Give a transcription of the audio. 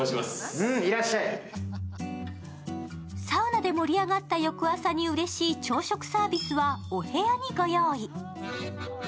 サウナで盛り上がった翌朝にうれしい朝食サービスはお部屋にご用意。